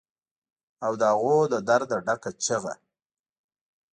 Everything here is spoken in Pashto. او د هغو له درده ډکه چیغه